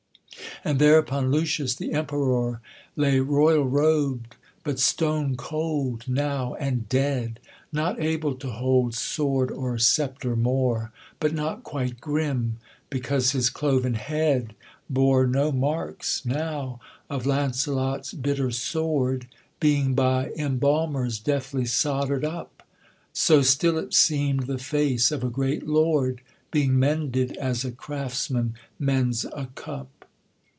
And thereupon Lucius, the Emperor, Lay royal robed, but stone cold now and dead, Not able to hold sword or sceptre more, But not quite grim; because his cloven head Bore no marks now of Launcelot's bitter sword, Being by embalmers deftly solder'd up; So still it seem'd the face of a great lord, Being mended as a craftsman mends a cup.